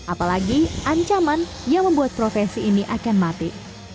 apalagi ancaman yang membuat profesi ini akan mati